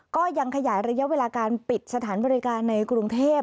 ก็ยังขยายระยะเวลาการปิดสถานบริการในกรุงเทพ